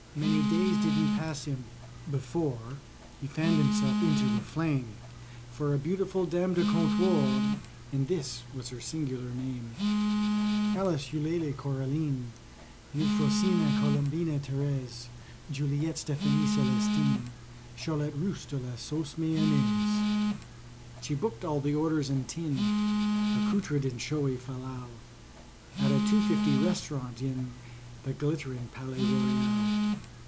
Many days didn't pass him before He fanned himself into a flame, For a beautiful "DAM DU COMPTWORE," And this was her singular name: ALICE EULALIE CORALINE EUPHROSINE COLOMBINA THÉRÈSE JULIETTE STEPHANIE CELESTINE CHARLOTTE RUSSE DE LA SAUCE MAYONNAISE. She booked all the orders and tin, Accoutred in showy fal lal, At a two fifty Restaurant, in The glittering Palais Royal.